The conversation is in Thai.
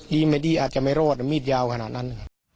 ไม่ดีอาจจะไม่รอดมีดยาวขนาดนั้น